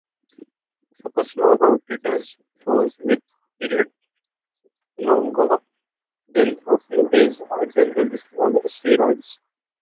Superslow rotators, those with periods longer than a few days, are generally small asteroids.